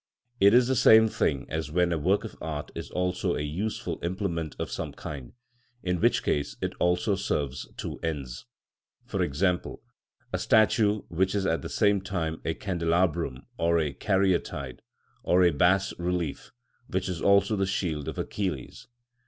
It is the same thing as when a work of art is also a useful implement of some kind, in which case it also serves two ends; for example, a statue which is at the same time a candelabrum or a caryatide; or a bas relief, which is also the shield of Achilles.